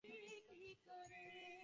বাকি রাতটা জেগে থাকার চেষ্টা করি।